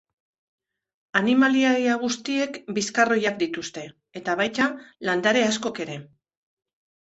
Animalia ia guztiek bizkarroiak dituzte, eta baita landare askok ere.